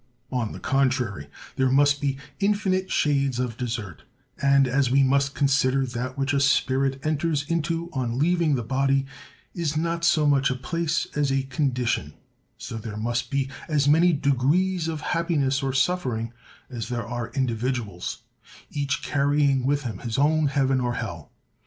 On the contrary, there must be infinite shades of desert; and, as we must consider that that which a spirit enters into on leaving the body is not so much a place as a condition, so there must be as many degrees of happiness or suffering as there are individuals, each carrying with him his own heaven or hell.